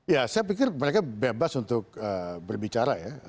ya saya pikir mereka bebas untuk berbicara ya